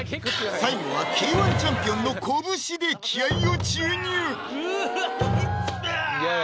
最後はＫー１チャンピオンの拳で気合いを注入うわ